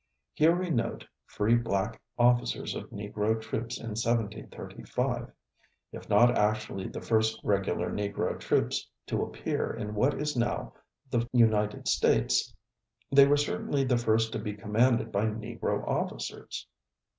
Here we note free black officers of Negro troops in 1735. If not actually the first regular Negro troops to appear in what is now the United States, they were certainly the first to be commanded by Negro officers.